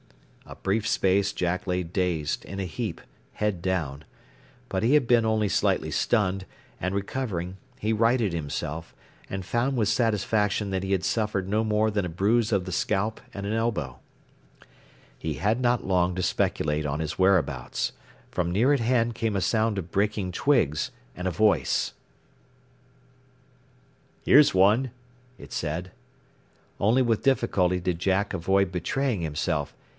A brief space Jack lay dazed, in a heap, head down. But he had been only slightly stunned, and recovering, he righted himself, and found with satisfaction that he had suffered no more than a bruise of the scalp and an elbow. He had not long to speculate on his whereabouts. From near at hand came a sound of breaking twigs, and a voice. [Illustration: THE NEXT INSTANT JACK FELT HIMSELF HURLED OUT INTO THE DARKNESS.] "Here's one," it said. Only with difficulty did Jack avoid betraying himself.